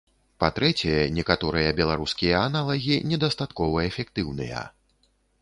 Па-трэцяе, некаторыя беларускія аналагі недастаткова эфектыўныя.